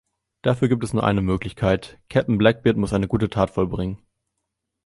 Dafür gibt es nur eine Möglichkeit: Käpt’n Blackbeard muss eine gute Tat vollbringen.